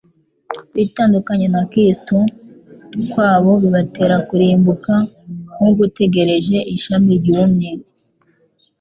Kwitandukanya na Kristo kwabo bibatera kurimbuka nk'ugutegereje ishami ryumye.